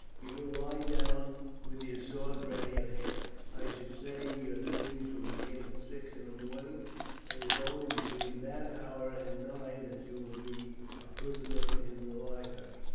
You will lie down with your sword ready at hand. I should say your duties will begin at six in the morning, and it is only between that hour and nine that you will be a prisoner in the library."